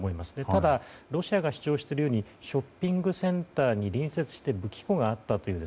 ただロシアが主張しているようにショッピングセンターに隣接している武器庫があったという。